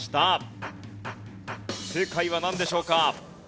正解はなんでしょうか。